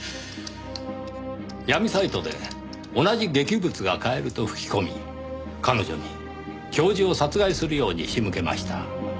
闇サイトで同じ劇物が買えると吹き込み彼女に教授を殺害するように仕向けました。